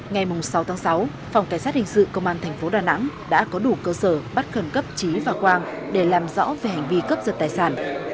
ngày sáu sáu phòng cảnh sát hình sự công an tp đà nẵng đã có đủ cơ sở bắt cân cấp chí và quang để làm rõ về hành vi cấp giật tài sản